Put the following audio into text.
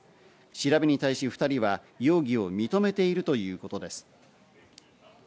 調べに対し２人は容疑を認めているということです。